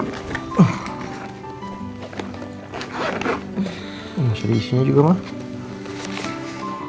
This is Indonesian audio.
masa diisinya juga mah